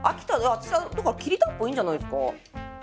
私だからきりたんぽいいんじゃないですか。